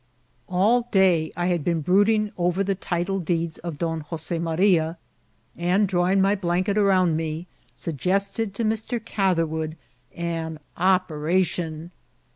All day I had been brooding over the title deeds of Don Jose Maria, and, drawing my blanket around me, suggested to Mr. Catherwood ^^ an operation."